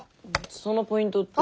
そのポイントって。